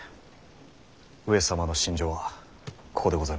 上様の寝所はここでございましょう。